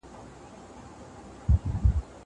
زه به لوښي وچولي وي!!